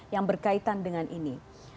yang berkaitan dengan ini